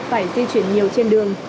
phải di chuyển nhiều trên đường